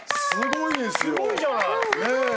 すごいじゃない。